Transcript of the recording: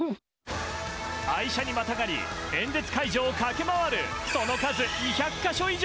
愛車にまたがり、演説会場を駆け回る、その数２００か所以上。